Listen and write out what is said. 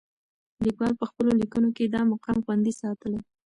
لیکوال په خپلو لیکنو کې دا مقام خوندي ساتلی.